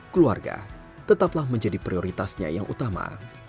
keluarga tetaplah menjadi prioritasnya yang utama